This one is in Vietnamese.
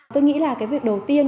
tôi nghĩ là cái việc đầu tiên